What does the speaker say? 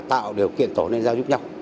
tạo điều kiện tổ liên gia giúp nhau